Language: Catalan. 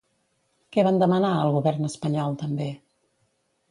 Què van demanar al Govern espanyol també?